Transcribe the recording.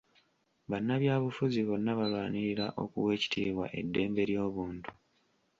Bannabyabufuzi bonna balwanirira okuwa ekitiibwa eddembe ly'obuntu.